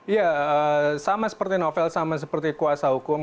ya sama seperti novel sama seperti kuasa hukum